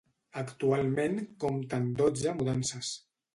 Actualment compta amb dotze mudances.